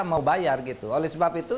mau bayar gitu oleh sebab itu